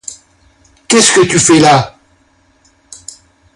Qu'est-ce que tu fais là?